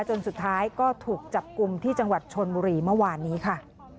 จนสุดท้ายก็ถูกจับกลุ่มที่จังหวัดชนบุรีเมื่อวานนี้ค่ะ